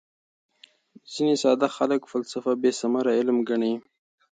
ځیني ساده خلک فلسفه بېثمره علم ګڼي.